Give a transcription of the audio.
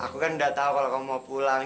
aku kan udah tahu kalau kamu mau pulang